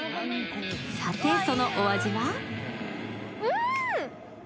さて、そのお味は？